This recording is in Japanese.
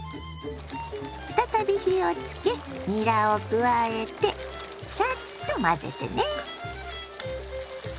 再び火をつけにらを加えてサッと混ぜてね。